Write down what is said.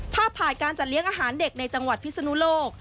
ภาพถ่ายการจัดเลี้ยงอาหารเด็กในจังหวัดพิศนุโลก